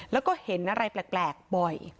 แล้วก็เห็นอะไรแปลกบ่อย